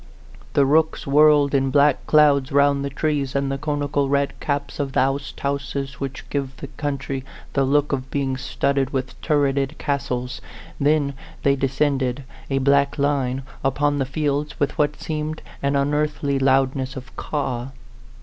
The rooks whirled in black clouds round the trees and the coni cal red caps of the oasthonses which give that county the look of being studded with turreted castles; then they descended a black line upon the fields, with what seemed an unearthly loudness of caw.